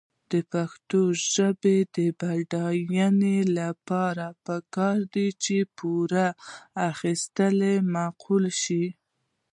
د پښتو ژبې د بډاینې لپاره پکار ده چې پور اخیستل معقول شي.